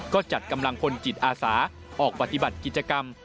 ก็จัดกำลังพลจิตอาสาออกปฏิบัติกิจกรรม